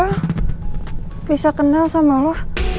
lo bisa kenal sama lo